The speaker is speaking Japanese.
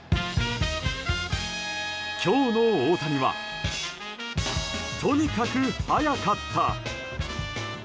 今日の大谷はとにかく速かった。